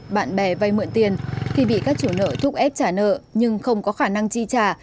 bạn bè vay mượn tiền khi bị các chủ nợ thúc ép trả nợ nhưng không có khả năng chi trả